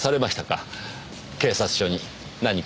警察署に何か？